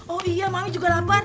oh iya mami juga lapar